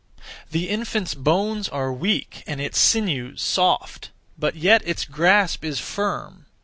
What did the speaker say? (The infant's) bones are weak and its sinews soft, but yet its grasp is firm.